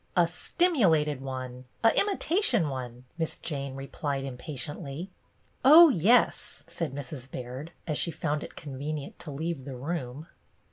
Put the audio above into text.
" A stimulated one, a imitation one," Miss Jane replied impatiently. "Oh, yes," said Mrs. Baird, as she found it convenient to leave the room.